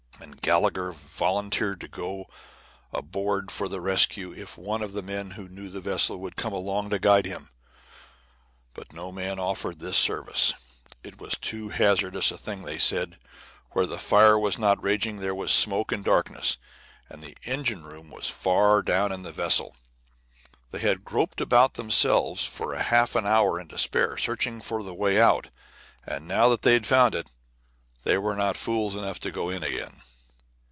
And Gallagher volunteered to go aboard for the rescue if one of the men who knew the vessel would come along to guide him. But no man offered this service. It was too hazardous a thing, they said; where the fire was not raging there was smoke and darkness, and the engine room was far down in the vessel. They had groped about themselves for half an hour in despair, searching for the way out, and now that they had found it, they were not fools enough to go in again.